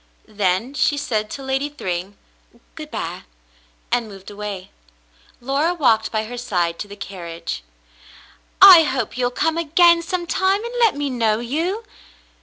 Then she said to Lady Thryng, "Good by," and moved away. Laura walked by her side to the carriage. "I hope you'll come again sometime, and let me know you."